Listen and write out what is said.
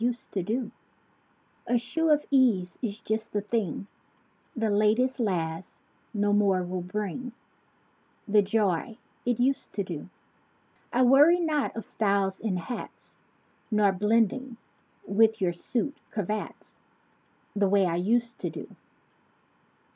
used to do 45 A shoe of ease, is just the thing; The "latest last" no more will bring The joy it used to do. I worry not of styles in hats; Nor blending with your suit cravats The way I used to do.